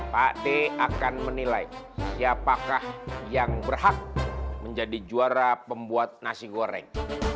pak t akan menilai siapakah yang berhak menjadi juara pembuat nasi goreng